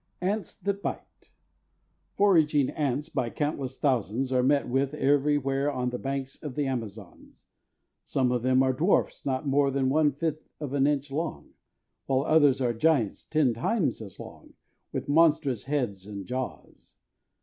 =Ants that Bite.= Foraging ants by countless thousands are met with everywhere on the banks of the Amazons. Some of them are dwarfs not more than one fifth of an inch long, while others are giants ten times as long, with monstrous heads and jaws.